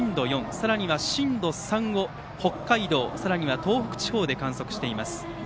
さらには震度３を北海道、さらには東北地方で観測しています。